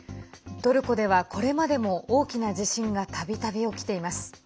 トルコではこれまでも大きな地震がたびたび起きています。